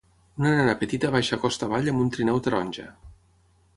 Una nena petita baixa costa avall amb un trineu taronja.